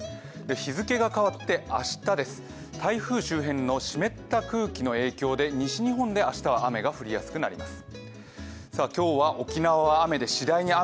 日付が変わって明日、台風周辺の湿った空気の影響で西日本で明日は雨が降りやすくなります。